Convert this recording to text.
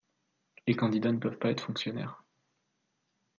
Les candidats ne peuvent pas être fonctionnaires.